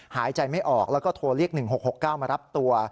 หายใจไม่ออกแล้วก็โทรเรียก๑๖๖๙มารับตัว